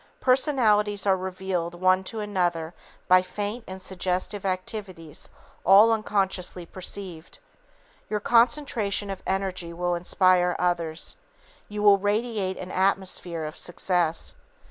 Personalities are revealed one to another by faint and suggestive activities all unconsciously perceived. Your concentration of energy will inspire others. You will radiate an "atmosphere" of success.